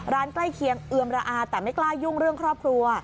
ใกล้เคียงเอือมระอาแต่ไม่กล้ายุ่งเรื่องครอบครัว